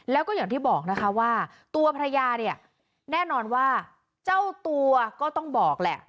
แล้วก็อย่างที่บอกนะคะว่าตัวภรรยาเนี่ยแน่นอนว่าเจ้าตัวก็ต้องบอกแหละ